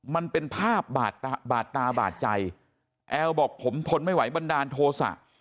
มันเป็นภาพบาดบาดตาบาดใจแอลบอกผมทนไม่ไหวบันดาลโทษะ